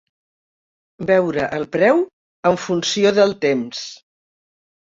"Veure el preu en funció del temps".